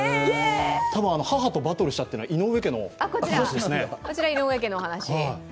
多分、母とバトルしたというのは井上家の話ですね。